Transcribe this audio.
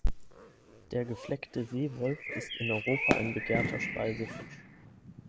Der Gefleckte Seewolf ist in Europa ein begehrter Speisefisch.